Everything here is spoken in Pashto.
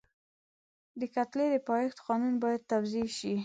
د کتلې د پایښت قانون باید توضیح شي.